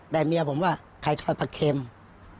แต่เมียผมว่าไครทอยผักเข็มอืม